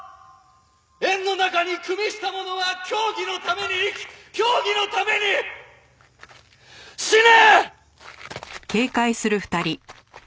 円の中に与した者は教義のために生き教義のために死ね！